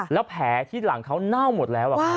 แล้วแผลที่หลังเขาเน่าหมดแล้ว